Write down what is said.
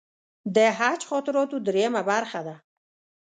د حج خاطراتو درېیمه برخه ده.